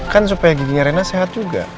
kan supaya giginya rena sehat juga